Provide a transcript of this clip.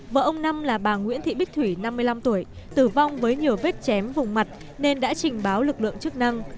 vợ ông năm là bà nguyễn thị bích thủy năm mươi năm tuổi tử vong với nhiều vết chém vùng mặt nên đã trình báo lực lượng chức năng